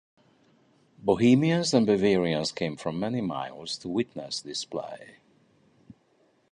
Bohemians and Bavarians came from many miles to witness this play.